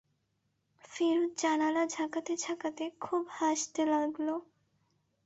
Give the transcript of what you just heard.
ফিরোজ জানালা ঝাঁকাতে-ঝাঁকাতে খুব হাসতে লাগল।